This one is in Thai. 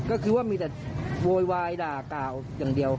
ก็คือว่ามีแต่โวยวายด่ากล่าวอย่างเดียว